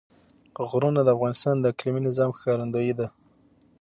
غرونه د افغانستان د اقلیمي نظام ښکارندوی ده.